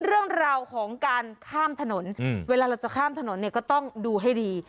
เรื่องราวของการข้ามถนนเวลาเราจะข้ามถนนเนี่ยก็ต้องดูให้ดี